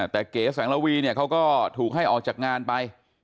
แต่เก๋แสงระวีเนี่ยเขาก็ถูกให้ออกจากงานไป